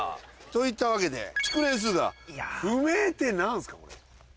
といったわけで築年数が不明って何ですか？